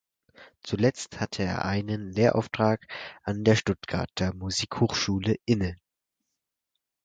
Zuletzt hatte er einen Lehrauftrag an der Stuttgarter Musikhochschule inne.